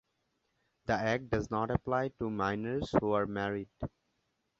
The act does not apply to minors who are married.